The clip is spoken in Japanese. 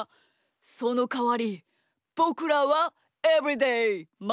そのかわりぼくらはエブリデーまいにち。